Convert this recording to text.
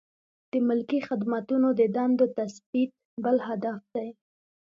د ملکي خدمتونو د دندو تثبیت بل هدف دی.